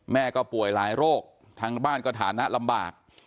แม่ก็ป่วยหลายโรคทางบ้านก็ฐานะลำบาก